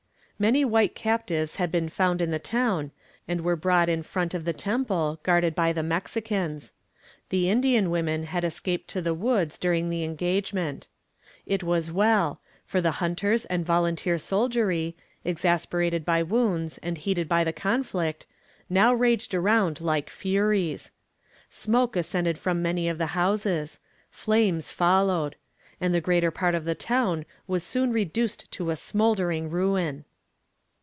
Many white captives had been found in the town, and were brought in front of the temple, guarded by the Mexicans. The Indian women had escaped to the woods during the engagement. It was well; for the hunters and volunteer soldiery, exasperated by wounds and heated by the conflict, now raged around like furies. Smoke ascended from many of the houses; flames followed; and the greater part of the town was soon reduced to a smouldering ruin.